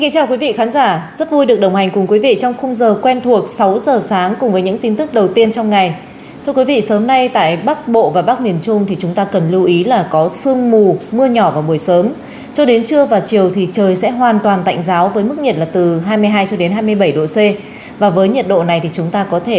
các bạn hãy đăng ký kênh để ủng hộ kênh của chúng mình nhé